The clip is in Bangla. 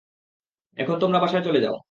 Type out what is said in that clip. এখন তোমরা বাসায় চলে যাও।